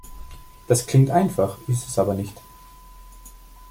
Das klingt einfach, ist es aber nicht.